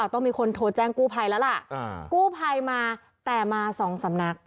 ต้องมีคนโทรแจ้งกู้ภัยแล้วล่ะกู้ภัยมาแต่มาสองสำนัก